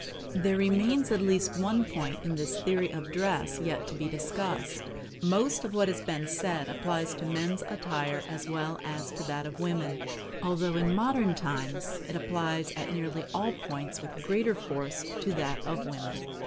There remains at least one point in this theory of dress yet to be discussed. Most of what has been said applies to men's attire as well as to that of women; although in modern times it applies at nearly all points with greater force to that of women.